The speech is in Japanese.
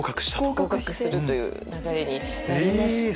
合格するという流れになりまして。